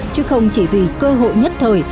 chứ không chỉ vì cơ hội nhất thời